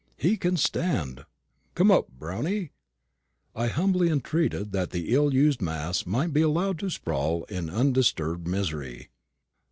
"He can stand. Coom up, Brownie!" I humbly entreated that the ill used mass might be allowed to sprawl in undisturbed misery.